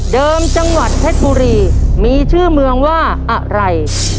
จังหวัดเพชรบุรีมีชื่อเมืองว่าอะไร